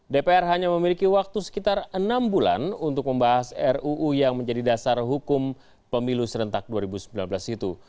dpr hanya memiliki waktu sekitar enam bulan untuk membahas ruu yang menjadi dasar hukum pemilu serentak dua ribu sembilan belas itu